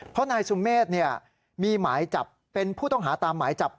เพราะนายสุเมฆมีหมายจับเป็นผู้ต้องหาตามหมายจับ